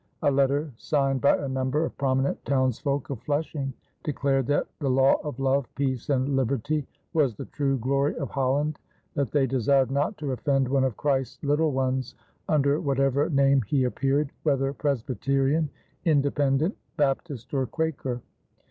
A letter, signed by a number of prominent townsfolk of Flushing, declared that the law of love, peace, and liberty was the true glory of Holland, that they desired not to offend one of Christ's little ones under whatever name he appeared, whether Presbyterian, Independent, Baptist, or Quaker.